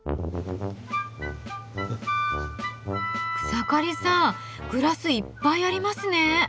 草刈さんグラスいっぱいありますね。